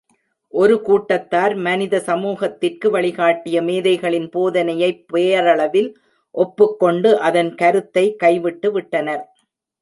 ஒரு கூட்டத்தார், மனித சமூகத்திற்கு வழிகாட்டிய மேதைகளின் போதனையைப் பெயரளவில் ஒப்புக் கொண்டு, அதன் கருத்தைக் கைவிட்டு விட்டனர்.